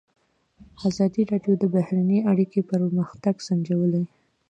ازادي راډیو د بهرنۍ اړیکې پرمختګ سنجولی.